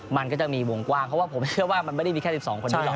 มันก็จะมีวงกว้างเพราะว่าผมเชื่อว่ามันไม่ได้มีแค่๑๒คนนี้หรอก